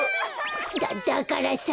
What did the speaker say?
だだからさ！